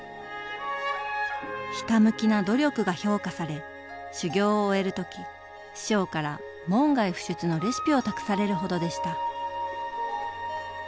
ひたむきな努力が評価され修業を終える時師匠から門外不出のレシピを託されるほどでした。